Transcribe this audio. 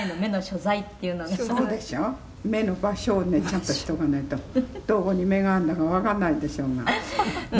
ちゃんとしとかないとどこに目があるのかわかんないでしょうが」